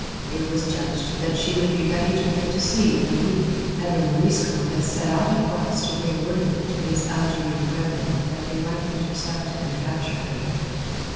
It was judged that she would be ready to put to sea in a week, and the Morisco had set out at once to bring word of it to his Algerine brethren that they might intercept and capture her.